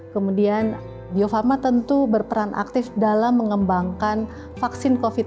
kemudian bio farma tentu berperan aktif dalam mengembangkan vaksin covid sembilan belas